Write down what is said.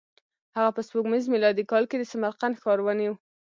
هغه په سپوږمیز میلادي کال کې د سمرقند ښار ونیو.